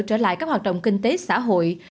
trở lại các hoạt động kinh tế xã hội